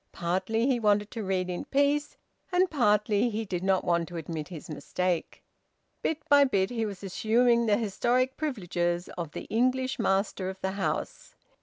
Partly he wanted to read in peace, and partly he did not want to admit his mistake. Bit by bit he was assuming the historic privileges of the English master of the house.